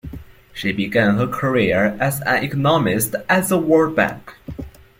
She began her career as an economist at the World Bank.